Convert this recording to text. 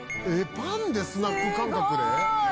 「パンでスナック感覚で？」